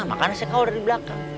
makanya saya kalau dari belakang